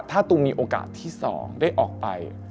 ถ้าตูมมีโอกาสที่๒ได้ออกไป